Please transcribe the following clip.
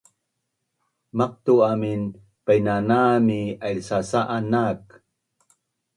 Maqtu’ amin painanam mi ailsasa’an nak